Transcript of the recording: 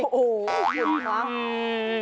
โอ้โหหุ่นมาก